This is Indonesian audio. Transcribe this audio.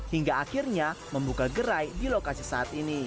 hingga akhirnya membuka gerai di lokasi saat ini